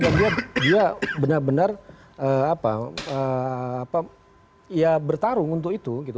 dan dia benar benar bertarung untuk itu